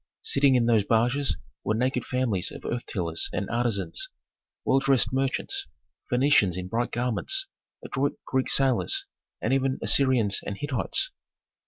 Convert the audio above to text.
Sitting in those barges were naked families of earth tillers and artisans, well dressed merchants, Phœnicians in bright garments, adroit Greek sailors, and even Assyrians and Hittites.